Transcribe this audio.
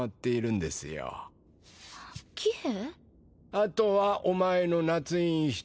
あとはお前の捺印一つ。